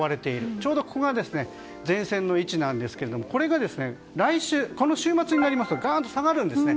ちょうどここが前線の位置ですがこれがこの週末になるとガーンと下がるんですね。